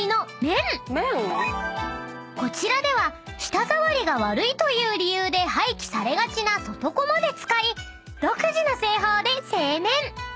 ［こちらでは舌触りが悪いという理由で廃棄されがちな外粉まで使い独自の製法で製麺］